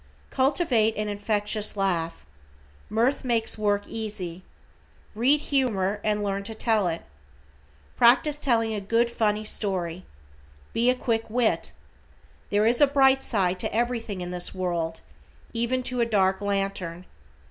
Cultivate an infectious laugh. Mirth makes work easy. Read humor and learn to tell it. Practice telling a good, funny story. Be a quick wit. There is a bright side to everything in this world, even to a dark lantern.